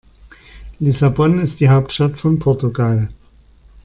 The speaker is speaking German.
Lissabon ist die Hauptstadt von Portugal.